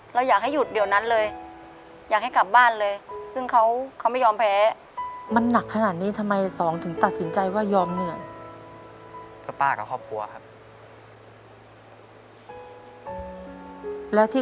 เราซึ่งเราเห็นเราไม่อยากให้ทำเลย